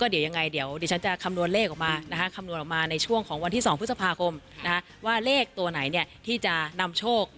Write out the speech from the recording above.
เดี๋ยวฉันจะคำนวณเลขออกมาในช่วงของวันที่๒พฤษภาคมว่าเลขตัวไหนที่จะนำโชค